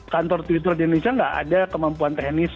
kantor twitter di indonesia nggak ada kemampuan teknis